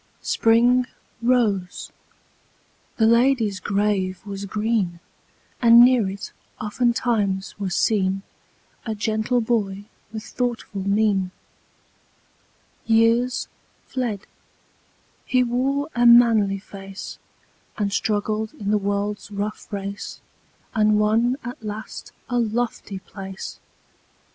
Spring rose; the lady's grave was green; And near it, oftentimes, was seen A gentle boy with thoughtful mien. Years fled; he wore a manly face, And struggled in the world's rough race, And won at last a lofty place.